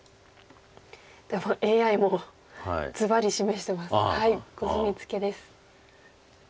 でもＡＩもずばり示してますコスミツケです。